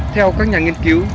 theo các nhà nghiên cứu